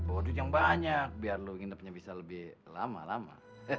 waduh yang banyak biar lu nginepnya bisa lebih lama lama